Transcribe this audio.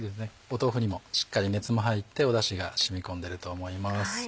豆腐にもしっかり熱も入ってだしが染み込んでると思います。